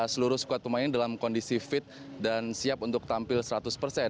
seluruh squad pemain dalam kondisi fit dan siap untuk tampil seratus persen